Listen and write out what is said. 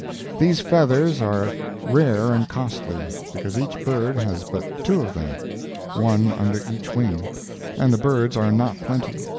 These feathers are rare and costly, because each bird has but two of them—one under each wing—and the birds are not plenty.